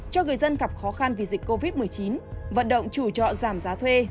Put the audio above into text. cho người dân gặp khó khăn vì dịch covid một mươi chín vận động chủ trọ giảm giá thuê